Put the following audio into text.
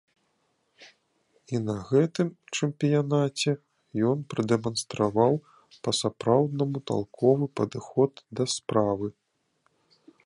І на гэтым чэмпіянаце ён прадэманстраваў па-сапраўднаму талковы падыход да справы.